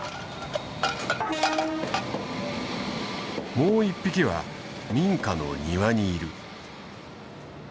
もう一匹は民家の庭にいる。